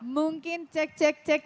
mungkin cek cek cek